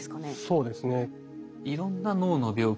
そうですね。